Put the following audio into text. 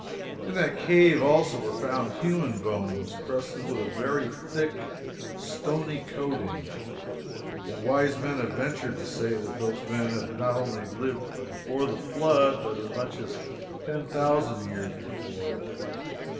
In that cave also are found human bones, crusted with a very thick, stony coating, and wise men have ventured to say that those men not only lived before the flood, but as much as ten thousand years before it.